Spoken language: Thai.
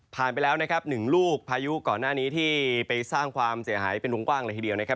ไปแล้วนะครับหนึ่งลูกพายุก่อนหน้านี้ที่ไปสร้างความเสียหายเป็นวงกว้างเลยทีเดียวนะครับ